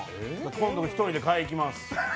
今度１人で買いに行きます。